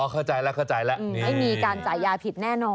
เข้าใจแล้วไม่มีการจ่ายยาผิดแน่นอน